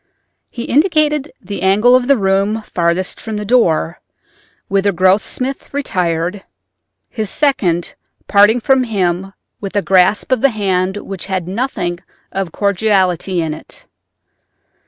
He indicated the angle of the room farthest from the door, whither Grossmith retired, his second parting from him with a grasp of the hand which had nothing of cordiality in it.